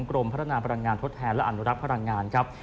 กรมพัฒนาพลังงานทดแทนและอนุรักษ์พลังงานครับ